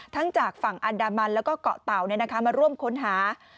จากฝั่งอันดามันแล้วก็เกาะเต่ามาร่วมค้นหา